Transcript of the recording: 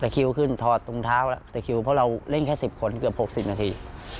แต่คิวขึ้นถอดตรงเท้าแล้วแต่คิวเพราะเราเล่นแค่๑๐คนเกือบ๖๐นาที